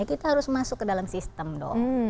kita harus masuk ke dalam sistem dong